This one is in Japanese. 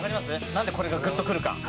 なんでこれがグッとくるか。